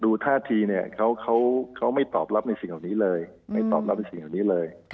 ดูท่าทีเนี่ยเขาไม่ตอบรับในสิ่งเหล่านี้เลย